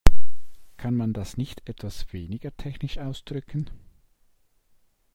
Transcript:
Kann man das nicht etwas weniger technisch ausdrücken?